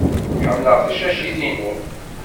Ḥemmleɣ tacacit-inu.